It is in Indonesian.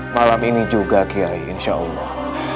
malam ini juga kiai insya allah